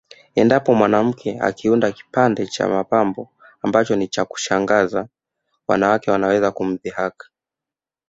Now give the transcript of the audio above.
Endapo mwanamke akiunda kipande cha mapambo ambacho ni cha kushangaza wanawake wanaweza kumdhihaki